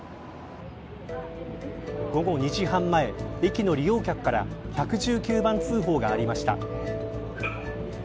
午後２時半前駅の利用客から１１９番通報がありました。